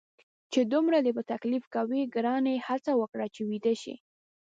چې دومره دې په تکلیف کوي، ګرانې هڅه وکړه چې ویده شې.